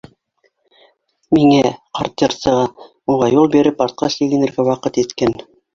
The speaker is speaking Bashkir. Миңә, ҡарт йырсыға, уға юл биреп артҡа сигенергә ваҡыт еткән...